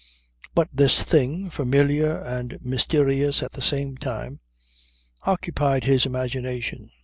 But this thing, familiar and mysterious at the same time, occupied his imagination.